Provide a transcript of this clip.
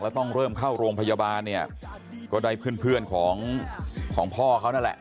แล้วต้องเริ่มเข้าโรงพยาบาลเนี่ยก็ได้เพื่อนของพ่อเขานั่นแหละ